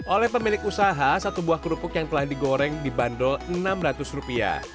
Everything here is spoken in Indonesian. oleh pemilik usaha satu buah kerupuk yang telah digoreng dibanderol rp enam ratus